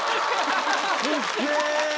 すっげえ！